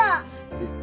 えっ。